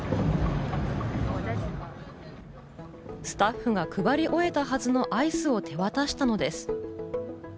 スタッフが配り終えたはずのアイスを手渡したのです。